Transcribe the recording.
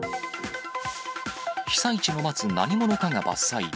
被災地の松、何者かが伐採。